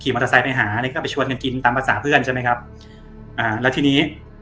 มอเตอร์ไซค์ไปหาอะไรก็ไปชวนกันกินตามภาษาเพื่อนใช่ไหมครับอ่าแล้วทีนี้